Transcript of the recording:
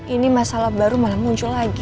ini masalah baru malah muncul lagi